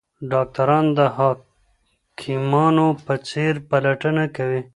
ډاکټران د حکیمانو په څېر پلټنه کوي.